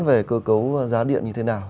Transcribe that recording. về cơ cấu giá điện như thế nào